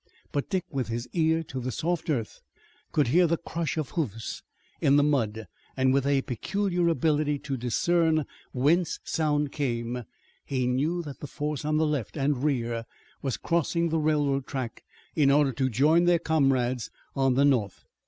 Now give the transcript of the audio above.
But Dick with his ear to the soft earth, could hear the crush of hoofs in the mud, and with a peculiar ability to discern whence sound came he knew that the force on the left and rear was crossing the railroad track in order to join their comrades on the north.